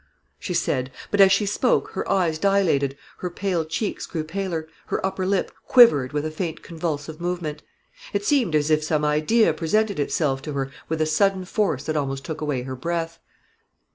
she said. But as she spoke her eyes dilated, her pale cheeks grew paler, her upper lip quivered with a faint convulsive movement. It seemed as if some idea presented itself to her with a sudden force that almost took away her breath.